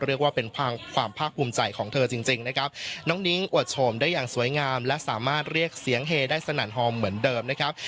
เรียกว่าเป็นความภาคภูมิใจของเธอจริงจริงนะครับน้องนิ้งอวดโฉมได้อย่างสวยงามและสามารถเรียกเสียงเฮได้สนั่นหอมเหมือนเดิมนะครับ